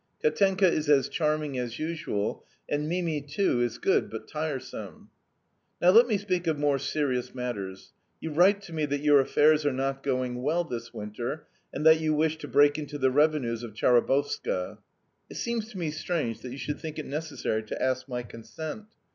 Katenka is as charming as usual, and Mimi, too, is good, but tiresome. "Now let me speak of more serious matters. You write to me that your affairs are not going well this winter, and that you wish to break into the revenues of Chabarovska. It seems to me strange that you should think it necessary to ask my consent.